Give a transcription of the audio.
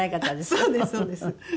そうですそうです。